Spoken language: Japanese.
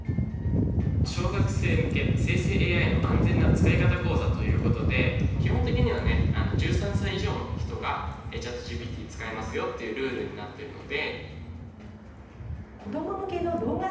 小学生向け生成ＡＩの安全な使い方講座ということで、基本的にはね、１３歳以上の人が、ＣｈａｔＧＰＴを使えますよというルールになっていますので。